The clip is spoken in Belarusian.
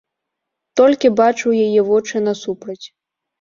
Толькі бачу яе вочы насупраць.